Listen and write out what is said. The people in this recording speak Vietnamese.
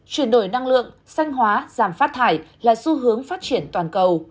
chuyển đổi năng lượng xanh hóa giảm phát thải là xu hướng phát triển toàn cầu